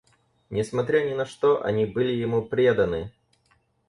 Несмотря ни на что, они были ему преданы.